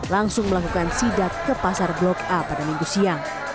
langsung melakukan sidat ke pasar blok a pada minggu siang